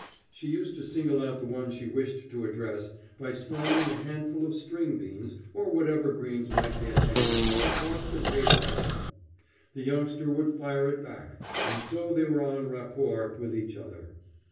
She used to single out the one she wished to address by slamming a handful of string beans, or whatever greens might be at hand, across the table at him. The youngster would fire it back, and so they were en rapport with each other.